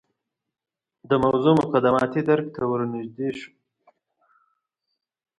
د موضوع مقدماتي درک ته ورنژدې شو.